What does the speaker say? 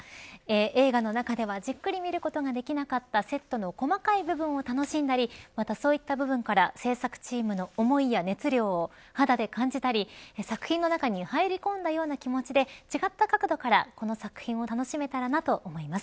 映画の中ではじっくり見ることができなかったセットの細かい部分を楽しんだりそういった部分から制作チームの思いや熱量を肌で感じたり、作品の中に入り込んだような気持ちになり違った角度からこの作品を楽しめたらと思います。